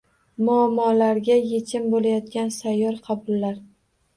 Muammolarga yechim bo‘layotgan sayyor qabullar